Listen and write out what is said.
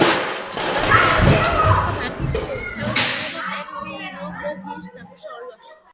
მონაწილეობს სხვადასხვა დარგის სამეცნიერო ტერმინოლოგიის დამუშავებაში.